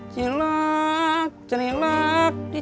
cilok cilok dicilokkan ya